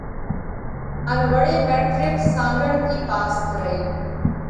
ان وۯي ميٽرڪ سانگھڙ ٿِي پاس ڪرئِي۔